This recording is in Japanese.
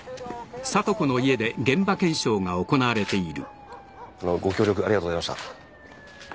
「ロリエ」ご協力ありがとうございました。